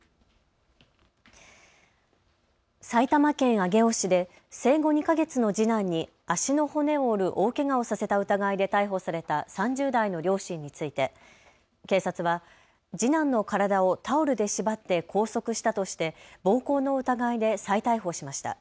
埼玉県上尾市で生後２か月の次男に足の骨を折る大けがをさせた疑いで逮捕された３０代の両親について警察は次男の体をタオルで縛って拘束したとして暴行の疑いで再逮捕しました。